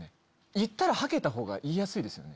言ったらはけた方が言いやすいですよね。